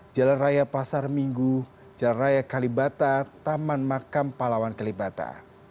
jalan raya pasar minggu jalan raya kalibata taman makam palawan kalibata